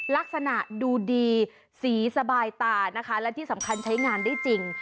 ลักษณะดูดีสีสบายตานะคะและที่สำคัญใช้งานได้จริง